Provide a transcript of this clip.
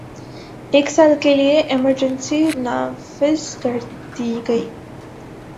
ایک سال کے لیے ایمرجنسی نافذ کر دی گئی